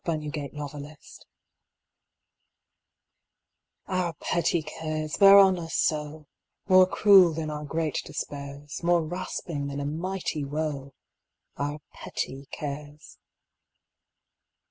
OUR PETTY CARES Our petty cares wear on us so, More cruel than our great despairs, More rasping than a mighty woe, Our petty cares.